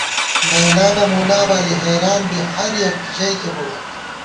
لیلی نہ مُونا بالی حېریان بی ہر یَک ژَئیکےبُڑوت